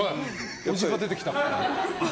伯父が出てきた。